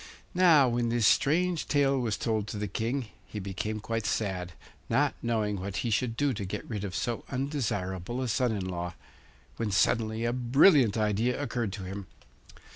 Now when this strange tale was told to the King he became quite sad, not knowing what he should do to get rid of so undesirable a son in law, when suddenly a brilliant idea occurred to him.